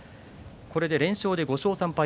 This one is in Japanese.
これで連勝で５勝３敗。